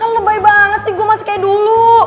lagi kan lebay banget sih gue masih kayak dulu